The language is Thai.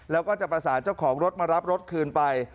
แล้วก็จะประสานเจ้าของรถมารับรถคืนไป